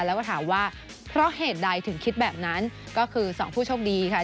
แล้วก็ถามว่าเพราะเหตุใดถึงคิดแบบนั้นก็คือสองผู้โชคดีค่ะ